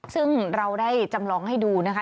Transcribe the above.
ซึ่งเราได้จำลองให้ดูนะคะ